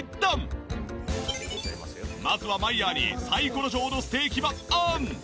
まずはマイヤーにサイコロ状のステーキをオン！